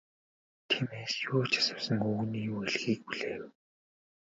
Тиймээс юу ч асуусангүй, өвгөний юу хэлэхийг хүлээв.